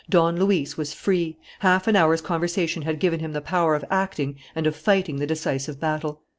Don Luis was free. Half an hour's conversation had given him the power of acting and of fighting the decisive battle.